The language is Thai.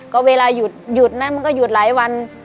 ก็เวลาหยุดนั้นมันก็หยุดหลายวัน